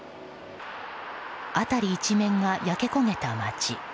辺り一面が焼け焦げた街。